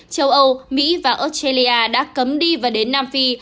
châu âu mỹ và australia đã cấm đi và đến nam phi